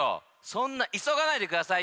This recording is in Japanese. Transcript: そんないそがないでくださいよ。